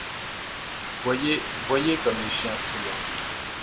Voyez, voyez comme les chiens tirent !